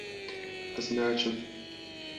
ez naçim